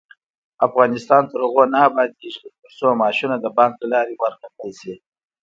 افغانستان تر هغو نه ابادیږي، ترڅو معاشونه د بانک له لارې ورنکړل شي.